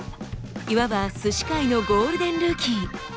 いわば鮨界のゴールデンルーキー。